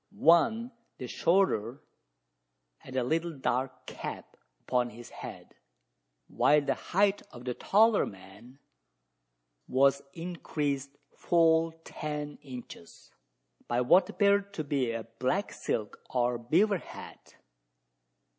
One, the shorter, had a little dark cap upon his head; while the height of the taller man was increased full ten inches, by what appeared to be a black silk or beaver hat.